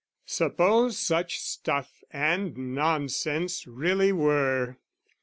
Suppose such stuff and nonsense really were.